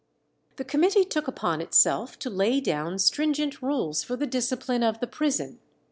The committee took upon itself to lay down stringent rules for the discipline of the prison.